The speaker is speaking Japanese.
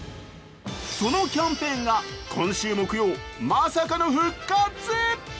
そのキャンペーンが今週木曜まさかの復活！